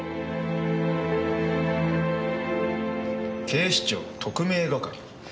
警視庁特命係。